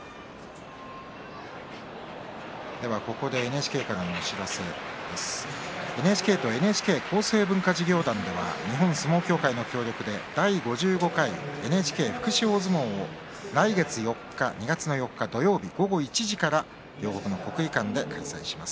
ＮＨＫとＮＨＫ厚生文化事業団では日本相撲協会の協力で第５５回ＮＨＫ福祉大相撲を来月、２月４日土曜日午後１時から両国の国技館で開催します。